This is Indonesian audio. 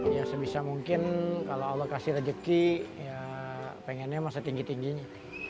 ya sebisa mungkin kalau allah kasih rezeki ya pengennya emang setinggi tingginya